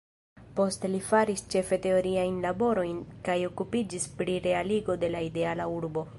Poste li faris ĉefe teoriajn laborojn kaj okupiĝis pri realigo de la ideala urbo.